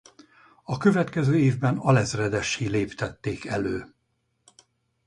A következő évben alezredessé léptették elő.